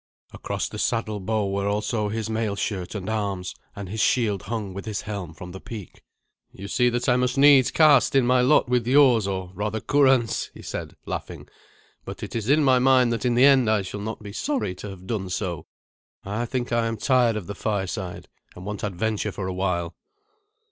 Across the saddle bow also were his mail shirt and arms, and his shield hung with his helm from the peak. "You see that I must needs cast in my lot with yours, or rather Curan's," he said, laughing; "but it is in my mind that in the end I shall not be sorry to have done so. I think that I am tired of the fireside, and want adventure for a while."